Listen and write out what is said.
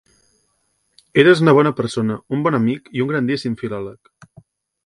Eres una bona persona, un bon amic i un grandíssim filòleg.